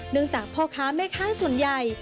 เนื่องจากพ่อค้าแม่ค้าส่วนใหญ่